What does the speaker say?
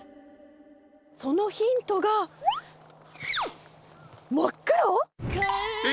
そのヒントが、真っ黒？え？